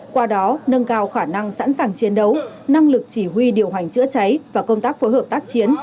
qua đó nâng cao khả năng sẵn sàng chiến đấu năng lực chỉ huy điều hành chữa cháy và công tác phối hợp tác chiến